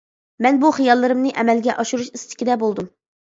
مەن بۇ خىياللىرىمنى ئەمەلگە ئاشۇرۇش ئىستىكىدە بولدۇم.